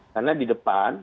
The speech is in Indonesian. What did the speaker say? karena di depan